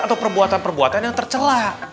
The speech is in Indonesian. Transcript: atau perbuatan perbuatan yang tercelah